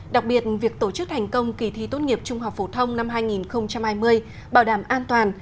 đặc biệt việc tổ chức thành công kỳ thi tốt nghiệp trung học phổ thông năm hai nghìn hai mươi bảo đảm an toàn